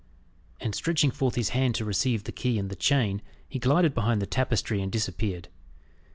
And stretching forth his hand to receive the key and the chain, he glided behind the tapestry, and disappeared.